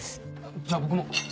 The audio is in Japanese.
じゃあ僕も。